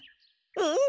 うん。